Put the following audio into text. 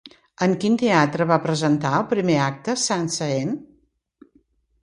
En quin teatre va presentar el primer acte Saint-Saëns?